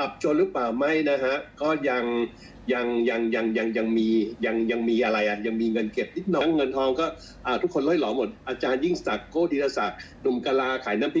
อาจารย์ยิ่งสักก็ดีตรศักดิ์หนุ่มกะลาขายน้ำพริก